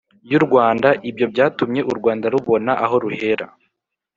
y'u rwanda. ibyo byatumye u rwanda rubona aho ruhera